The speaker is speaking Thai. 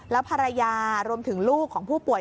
แล้วภรรยารวมถึงลูกของผู้ป่วย